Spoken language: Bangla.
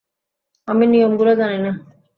আমি নিয়মগুলো জানি না।